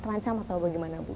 terancam atau bagaimana ibu